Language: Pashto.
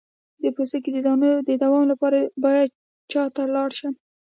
د پوستکي د دانو د دوام لپاره باید چا ته لاړ شم؟